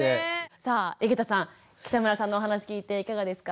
さあ井桁さん北村さんのお話聞いていかがですか？